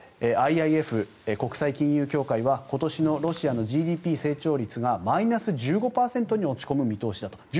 ＩＩＦ・国際金融協会は今年のロシアのＧＤＰ成長率がマイナス１５％に落ち込む見通しだと。